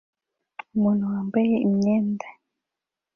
Umuntu wambaye imyenda